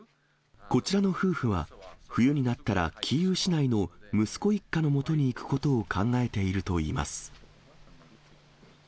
こちらの夫婦は、冬になったらキーウ市内の息子一家のもとに行くことを考えているといいます。